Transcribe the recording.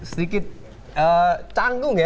sedikit canggung ya